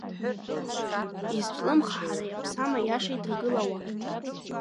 Изҿлымҳахара иаԥсам аиаша иҭагылауа.